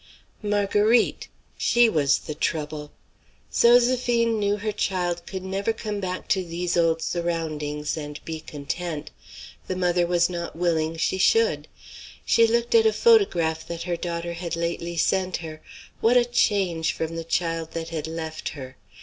Marguerite! she was the trouble. Zoséphine knew her child could never come back to these old surroundings and be content. The mother was not willing she should. She looked at a photograph that her daughter had lately sent her. What a change from the child that had left her!